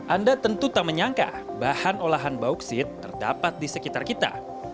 anda tentu tak menyangka bahan olahan bauksit terdapat di sekitar kita